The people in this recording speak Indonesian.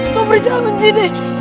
sobri jangan benci dek